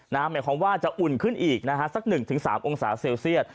หมายความว่าจะอุ่นขึ้นอีกนะฮะสัก๑๓องศาเซลเซียต